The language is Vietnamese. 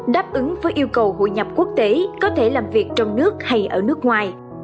đáp ứng với yêu cầu hội nhập quốc tế có thể làm việc trong nước hay ở nước ngoài